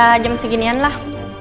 ya jam seginian lah